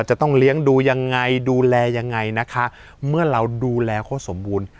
จะต้องเลี้ยงดูยังไงดูแลยังไงนะคะเมื่อเราดูแลเขาสมบูรณ์